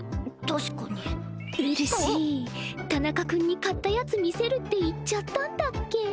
確かにうるし田中君に買ったやつ見せるって言っちゃったんだっけ？